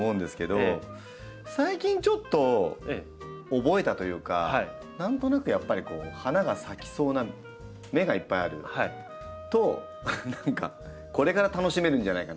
最近ちょっと覚えたというか何となくやっぱりこう花が咲きそうな芽がいっぱいあると何かこれから楽しめるんじゃないかなと。